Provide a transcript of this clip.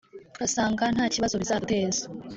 turasanga nta kibazo bizaduteza